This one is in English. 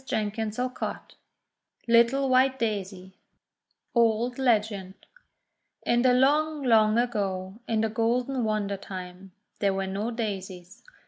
134 THE WONDER GARDEN LITTLE WHITE DAISY Old Legend IN the long, long ago, in the golden wonder time, there were no Daisies.